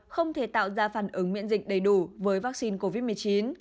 không thể tạo ra phản ứng miễn dịch đầy đủ với vaccine covid một mươi chín